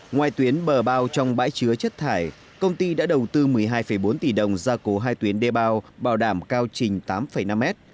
ngoài tuyến bờ bao trong bãi chứa chất thải công ty đã đầu tư một mươi hai bốn tỷ đồng gia cố hai tuyến đê bao bảo đảm cao trình tám năm mét